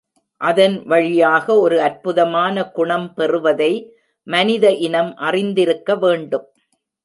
அதன் வழியாக ஒரு அற்புதமான குணம் பெறுவதை மனித இனம் அறிந்திருக்க வேண்டும்.